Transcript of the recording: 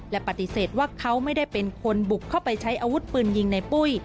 และปฏิเสธว่าเขาไม่ได้เป็นคนบุกเข้าไปใช้อาวุธปืนยิงในปุ้ย